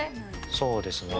そうですね。